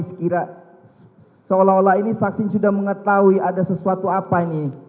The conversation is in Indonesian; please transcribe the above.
sekiranya seolah olah ini saksi sudah mengetahui ada sesuatu apa ini